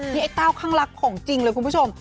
นี่ไอ้เต้าข้างรักของจริงเลยคุณผู้ชม